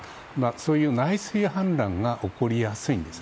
そういう内水氾濫が起こりやすいんです。